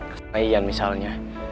kayak ian misalnya